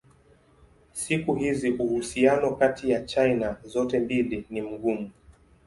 Siku hizi uhusiano kati ya China zote mbili ni mgumu.